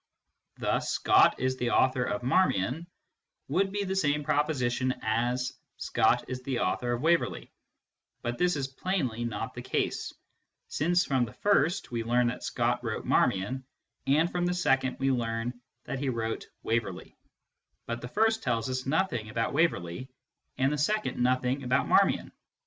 Thus " Scott is the author of Marmion " would be the same proposition as " Scott is the author of Waverley/ But this is plainly not the case, since from the first we learn that Scott wrote Marmion and from the second we learn that he wrote Waverley, but the first tells us nothing about Waverley and the second nothing about Marmion.